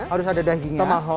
harus ada dagingnya